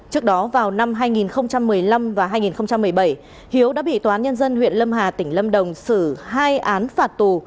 trước đó vào năm hai nghìn một mươi năm và hai nghìn một mươi bảy hiếu đã bị toán nhân dân huyện lâm hà tỉnh lâm đồng xử hai án phạt tù